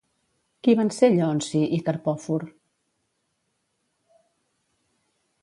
Qui van ser Lleonci i Carpòfor?